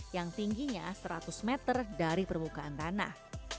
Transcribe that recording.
yang tingginya seratus meter dari permukaan tanah